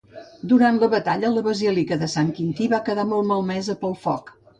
Durant la batalla, la Basílica de Sant Quintí va quedar molt malmesa pel foc.